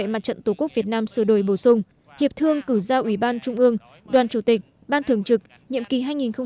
mặt trận tổ quốc việt nam sửa đổi bổ sung hiệp thương cử giao ủy ban trung ương đoàn chủ tịch ban thường trực nhiệm kỳ hai nghìn một mươi chín hai nghìn hai mươi bốn